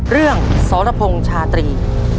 เรื่องสรพงศ์ชาตรี